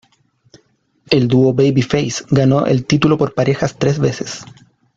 El dúo "babyface" ganó el título por parejas tres veces.